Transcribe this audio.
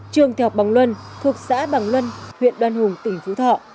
trường thế học bằng luân thuộc xã bằng luân huyện đoàn hùng tỉnh phú thọ